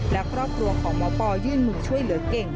และครอบครัวของหมอปอยื่นมือช่วยเหลือเก่ง